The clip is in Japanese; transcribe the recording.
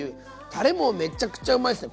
たれもめちゃくちゃうまいっすね。